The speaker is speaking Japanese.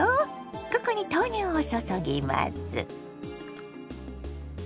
ここに豆乳を注ぎます。